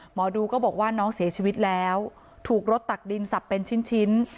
หมอดูก็บอกว่าน้องเสียชีวิตแล้วถูกรถตักดินสับเป็นชิ้น